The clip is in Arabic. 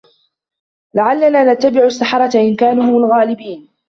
لَعَلَّنا نَتَّبِعُ السَّحَرَةَ إِن كانوا هُمُ الغالِبينَ